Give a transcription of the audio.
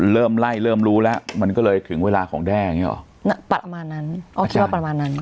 เริ่มไล่เริ่มรู้แล้วมันก็เลยถึงเวลาของแด้อย่างเงี้หรอประมาณนั้นอ๋อคิดว่าประมาณนั้น